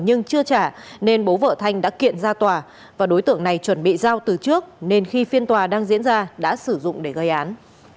nhưng chưa trả nên bố vợ thanh đã kiện ra tòa và đối tượng này chuẩn bị giao từ trước nên khi phiên tòa đang diễn ra đã sử dụng để gây án